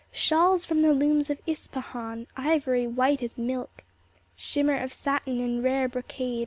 Shawls from the looms of Ispahan ^ Ivory white as milk ; Shimmer of satin and rare brocade.